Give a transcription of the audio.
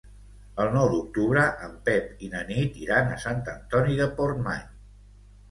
El nou d'octubre en Pep i na Nit iran a Sant Antoni de Portmany.